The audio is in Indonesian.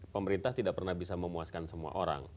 pemerintah tidak pernah bisa memuaskan semua orang